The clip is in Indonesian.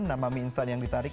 nama mi instant yang ditarik